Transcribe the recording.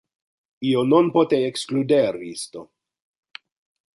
Io non pote excluder isto.